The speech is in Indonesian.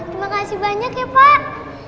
terima kasih banyak ya pak